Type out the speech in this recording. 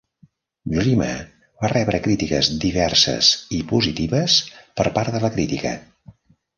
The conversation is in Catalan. "Dreamer" va rebre crítiques diverses i positives per part de la crítica.